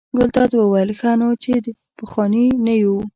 ګلداد وویل: ښه نو چې پخواني نه یو.